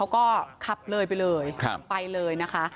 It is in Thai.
ก็ขับเลยไปเลยไปเลยนะคะ